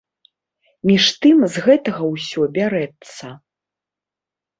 Між тым, з гэтага ўсё бярэцца.